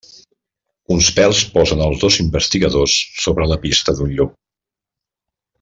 Uns pèls posen els dos investigadors sobre la pista d'un llop.